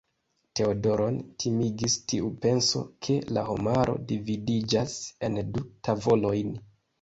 Teodoron timigis tiu penso, ke la homaro dividiĝas en du tavolojn.